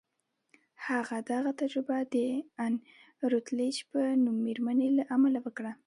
هغه دغه تجربه د ان روتلیج په نوم مېرمنې له امله وکړه